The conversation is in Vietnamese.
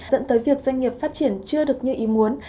dẫn tới việc doanh nghiệp phát triển chưa được như ý muốn